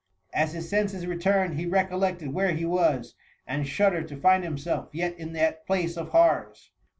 As his senses returned he recollected where he was, and shuddered to find himself yet in that place of horrors.